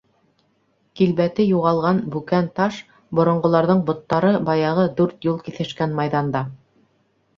Килбәте юғалған бүкән таш — боронғоларҙың боттары баяғы дүрт юл киҫешкән майҙанда.